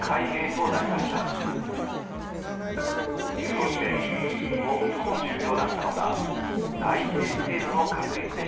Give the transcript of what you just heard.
そして最も重要だったのが財政制度の確立でした。